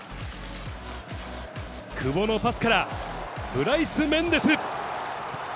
久保のパスからブライス・メンデス。